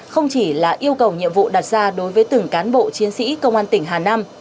không chỉ là yêu cầu nhiệm vụ đặt ra đối với từng cán bộ chiến sĩ công an tỉnh hà nam